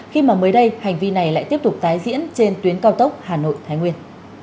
khi mà mới đây hành vi này lại tiếp tục tái diễn trên tuyến cao tốc hà nội thái nguyên